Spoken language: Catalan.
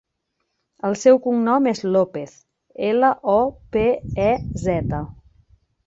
El seu cognom és Lopez: ela, o, pe, e, zeta.